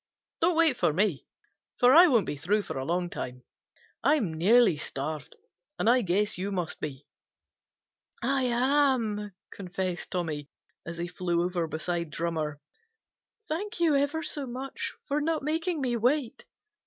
Don't wait for me, for I won't be through for a long time. I'm nearly starved, and I guess you must be." "I am," confessed Tommy, as he flew over beside Drummer. "Thank you ever so much for not making me wait."